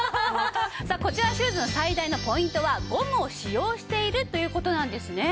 さあこちらのシューズの最大のポイントはゴムを使用しているという事なんですね。